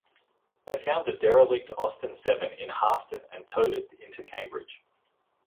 They found the derelict Austin Seven in Harston and towed it into Cambridge.